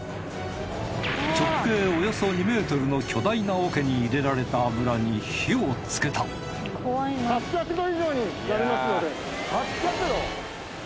直径およそ２ｍの巨大な桶に入れられた油に火をつけた８００℃！？